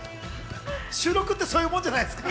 収録ってそういうもんじゃないですか？